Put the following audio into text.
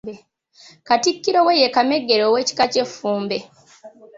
Katikkiro we ye Kamegere ow'ekika ky'Effumbe.